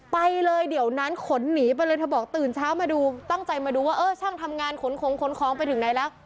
ไปเลยเดี๋ยวนั้นขนหนีไปเลยเธอบอกตื่นเช้ามาดูตั้งใจมาดูว่าเออช่างทำงานขนของขนของไปถึงไหนแล้ว